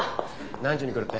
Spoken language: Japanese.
何時に来るって？